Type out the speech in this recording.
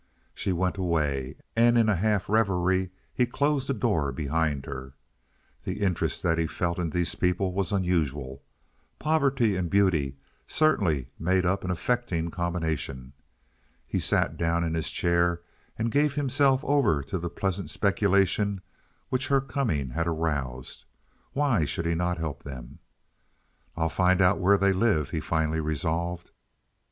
She went away, and in a half reverie he closed the door behind her. The interest that he felt in these people was unusual. Poverty and beauty certainly made up an affecting combination. He sat down in his chair and gave himself over to the pleasant speculations which her coming had aroused. Why should he not help them? "I'll find out where they live," he finally resolved.